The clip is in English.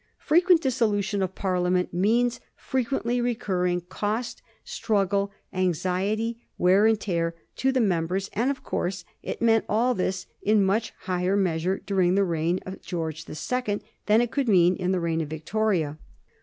Frequent dissolution of Parliament means frequently re curring cost, struggle, anxiety, wear and tear, to the mem bers ; and, of course, it meant all thia in much higher measure during the reign of George the Second than it could mean in the reign of Victoria.